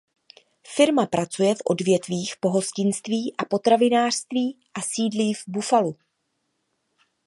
Firma pracuje v odvětvích pohostinství a potravinářství a sídlí v Buffalu.